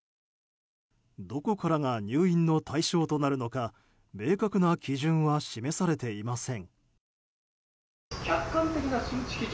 どこからが入院の対象となるのか明確な基準は示されていません。